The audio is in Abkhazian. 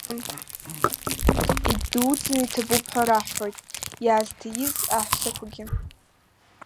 Идуӡӡаны иҭабуп ҳәа раҳҳәоит иаазҭиз аҳәсақәагьы.